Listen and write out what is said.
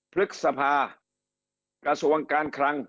พฤษภากระทรวงการคลัง